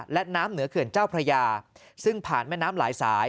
และน้ำเหนือเขื่อนเจ้าพระยาซึ่งผ่านแม่น้ำหลายสาย